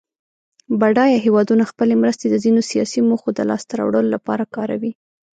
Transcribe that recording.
بډایه هېوادونه خپلې مرستې د ځینو سیاسي موخو د لاس ته راوړلو لپاره کاروي.